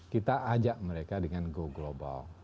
kita ajak mereka dengan go global